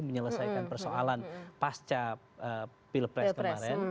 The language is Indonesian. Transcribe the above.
menyelesaikan persoalan pasca pilpres kemarin